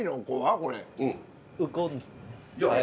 これ。